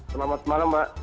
selamat malam mbak